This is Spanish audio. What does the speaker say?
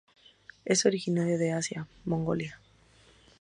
Es originario de Asia, Mongolia.